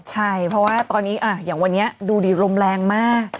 ใช่เพราะว่าตอนนี้อย่างวันนี้ดูดิลมแรงมาก